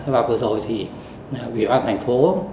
và vừa rồi thì vị hoạt thành phố